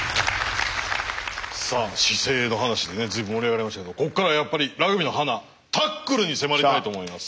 さあ姿勢の話で随分盛り上がりましたけどここからはやっぱりに迫りたいと思います。